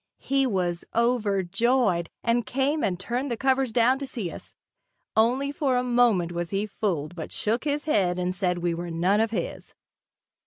He was overjoyed, and came and turned the covers down to see us. Only for a moment was he fooled but shook his head and said we were none of his.